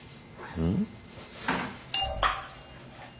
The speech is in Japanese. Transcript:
うん？